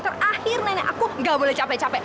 terakhir nenek aku gak boleh capek capek